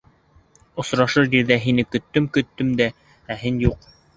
Осрашыр ерҙә һине көттөм-көттөм дә, ә һин юҡ.